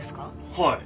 はい。